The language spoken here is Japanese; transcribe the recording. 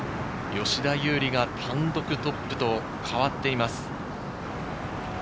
吉田優利が単独トップと変わっています。